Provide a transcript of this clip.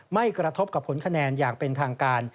ไม่กระทบกับผลคะแนนอย่างเป็นทางการ